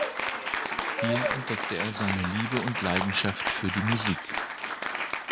Hier entdeckte er seine Liebe und Leidenschaft für die Musik.